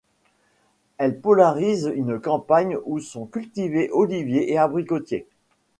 Elle polarise une campagne où sont cultivés oliviers et abricotiers.